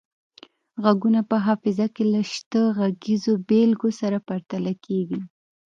غږونه په حافظه کې له شته غږیزو بیلګو سره پرتله کیږي